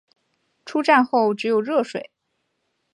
出站后只有热水